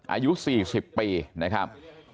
อายุ๔๐ปีนะครับ